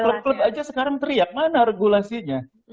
klub klub aja sekarang teriak mana regulasinya